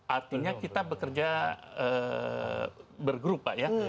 artinya kita bekerja bergrupak ya